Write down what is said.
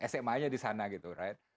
sma nya di sana gitu right